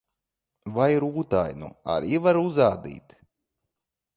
Vai rūtainu arī var uzadīt?